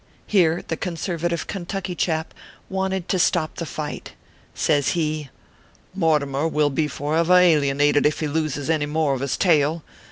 Here the conservative Kentucky chap wanted to stop the fight. Says he :" Mortimer will be forever alienated if he loses any more of his tail.